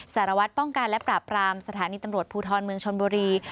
สารวัตรป้องกันและปราบรามสถานีตำรวจภูทรเมืองชนบุรี